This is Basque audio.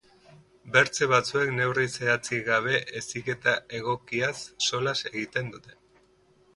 Bertze batzuek neurri zehatzik gabe heziketa egokiaz solas egiten dute